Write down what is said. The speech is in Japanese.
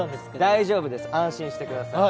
大丈夫です安心してください。